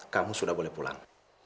kamu sudah boleh pulang